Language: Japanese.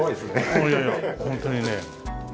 いやいやいやホントにね。